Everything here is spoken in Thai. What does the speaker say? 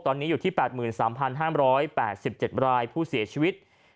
ตอนนี้อยู่ที่๘๓๕๘๗รายผู้เสียชีวิต